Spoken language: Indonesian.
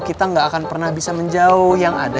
kita gak akan pernah bisa menjauh yang ada